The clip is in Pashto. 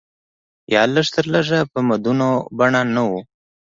یا لږ تر لږه په مدونه بڼه نه و.